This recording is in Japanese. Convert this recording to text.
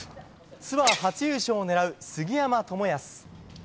ツアー初優勝を狙う杉山知靖。